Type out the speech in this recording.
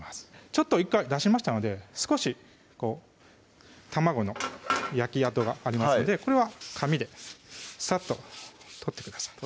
ちょっと１回出しましたので少し卵の焼き跡がありますのでこれは紙でサッと取ってください